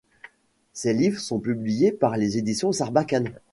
Ses livres sont publiés par les Éditions Sarbacane.